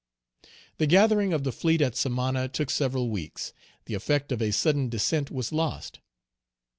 The gathering of the fleet at Samana took several weeks. The effect of a sudden descent was lost.